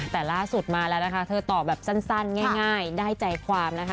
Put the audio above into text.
แต่ล่าสุดมาแล้วนะคะเธอตอบแบบสั้นง่ายได้ใจความนะคะ